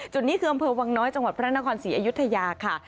นี่คืออำเภอวังน้อยจังหวัดพระนครศรีอยุธยาค่ะ